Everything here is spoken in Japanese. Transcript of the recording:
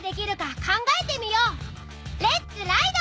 レッツライド！